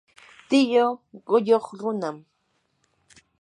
tiyuu qulluq runam.